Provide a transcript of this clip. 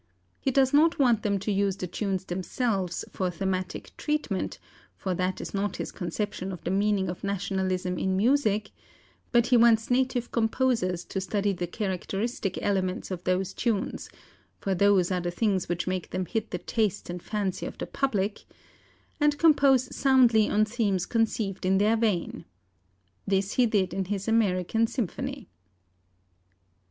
He does not want them to use the tunes themselves for thematic treatment, for that is not his conception of the meaning of nationalism in music; but he wants native composers to study the characteristic elements of those tunes (for those are the things which make them hit the taste and fancy of the public) and compose soundly on themes conceived in their vein. This he did in his American symphony."